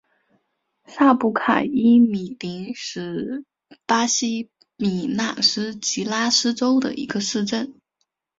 萨普卡伊米林是巴西米纳斯吉拉斯州的一个市镇。